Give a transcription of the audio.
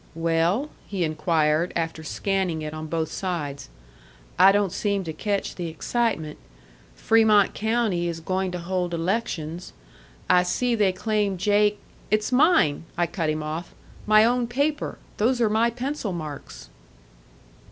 "Well?" he inquired, after scanning it on both sides. "I don't seem to catch the excitement. Fremont County is going to hold elections. I see they claim Jake " "It's mine," I cut him off. "My own paper. Those are my pencil marks."